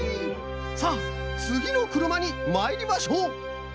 さあつぎのくるまにまいりましょう。